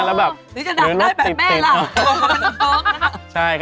แต่ว่า